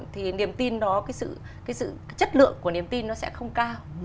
thì niềm tin đó cái sự chất lượng của niềm tin nó sẽ không cao